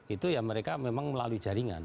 itu ya mereka memang melalui jaringan